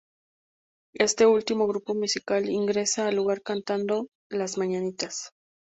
Este último grupo musical ingresa al lugar cantando "Las mañanitas".